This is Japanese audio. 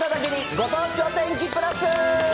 ご当地お天気プラス。